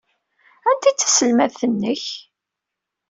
Anta ay d taselmadt-nnek?